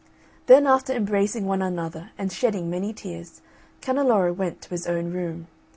Then after embracing one another and shedding many tears, Canneloro went to his own room.